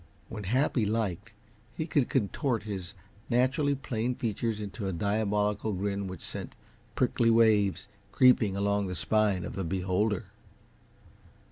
When Happy liked, he could contort his naturally plain features into a diabolical grin which sent prickly waves creeping along the spine of the beholder.